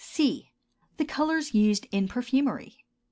C. The Colors used in Perfumery.